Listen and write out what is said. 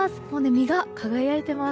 実が輝いています！